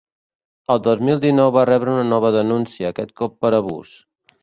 El dos mil dinou va rebre una nova denúncia, aquest cop per abús.